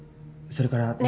それから。